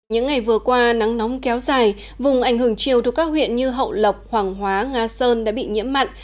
những ngày vừa qua nắng nóng kéo dài vùng ảnh hưởng chiều thuộc các huyện như hậu lộc hoàng hóa nga sơn đã bị nhiễm mặn